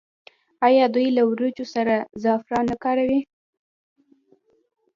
آیا دوی له وریجو سره زعفران نه کاروي؟